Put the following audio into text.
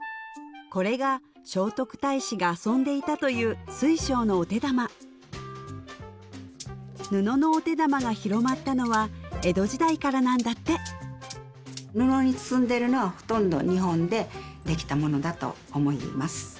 これが聖徳太子が遊んでいたという水晶のお手玉布のお手玉が広まったのは江戸時代からなんだって布に包んでいるのはほとんど日本でできたものだと思います